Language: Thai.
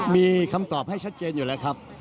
มีคำตอบให้ชัดเจนอยู่แล้วครับ